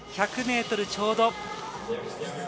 １００ｍちょうど。